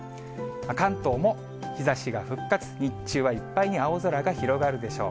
関東も日ざしが復活、日中はいっぱいに青空が広がるでしょう。